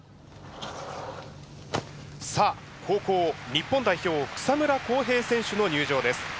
さあ後攻日本代表草村航平選手の入場です。